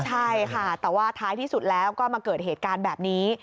ใช่ค่ะแต่ว่าท้ายที่สุดแล้วก็มาเกิดเหตุการณ์แบบนี้